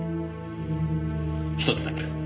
一つだけ。